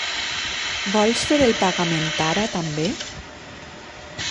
Vols fer el pagament ara també?